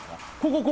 ここ！